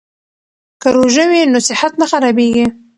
که روژه وي نو صحت نه خرابیږي.